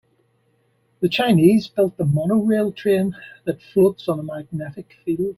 The Chinese built a monorail train that floats on a magnetic field.